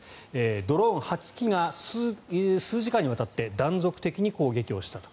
ドローン８機が数時間にわたって断続的に攻撃をしたと。